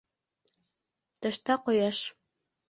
Тышта - ҡояш.